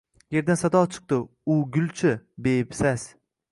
Yerdan sado chiqdi, u gul-chi, besas